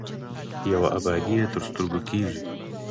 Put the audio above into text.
یوه ابادي یې تر سترګو کېږي.